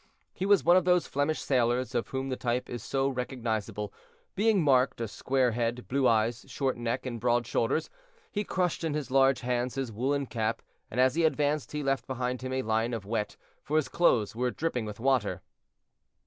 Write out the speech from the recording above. He was one of those Flemish sailors, of whom the type is so recognizable, being marked, a square head, blue eyes, short neck, and broad shoulders; he crushed in his large hands his woolen cap, and as he advanced he left behind him a line of wet, for his clothes were dripping with water.